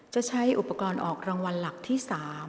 จะใช้อุปกรณ์ออกรางวัลหลักที่๓